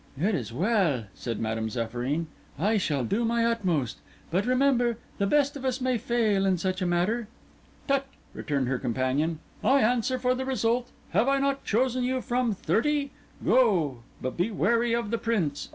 "It is well," said Madame Zéphyrine. "I shall do my utmost. But, remember, the best of us may fail in such a matter." "Tut!" returned her companion; "I answer for the result. Have I not chosen you from thirty? Go; but be wary of the Prince.